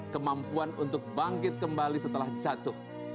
kemampuan untuk bangkit kembali setelah jatuh